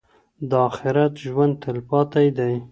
د آخرت ژوند تلپاتې دی.